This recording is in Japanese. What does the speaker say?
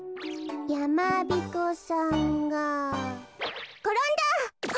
やまびこさんがころんだ！